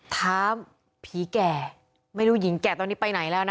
ถามผีแก่ไม่รู้หญิงแก่ตอนนี้ไปไหนแล้วนะ